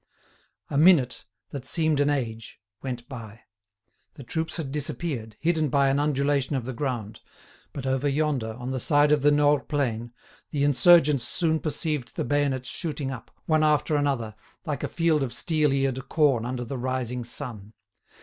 A minute, that seemed an age, went by. The troops had disappeared, hidden by an undulation of the ground; but over yonder, on the side of the Nores plain, the insurgents soon perceived the bayonets shooting up, one after another, like a field of steel eared corn under the rising sun.